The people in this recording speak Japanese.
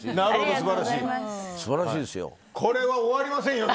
これは終わりませんよ。